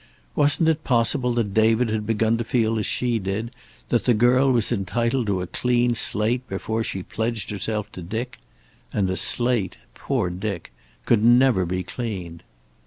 Wasn't it possible that David had begun to feel as she did, that the girl was entitled to a clean slate before she pledged herself to Dick? And the slate poor Dick! could never be cleaned.